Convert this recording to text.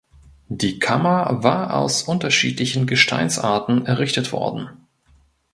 Die Kammer war aus unterschiedlichen Gesteinsarten errichtet worden.